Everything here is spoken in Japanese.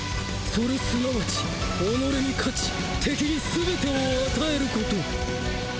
それすなわち己に勝ち敵にすべてを与えること。